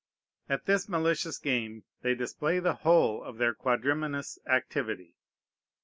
At this malicious game they display the whole of their quadrimanous activity.